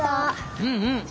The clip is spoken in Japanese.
うんうん。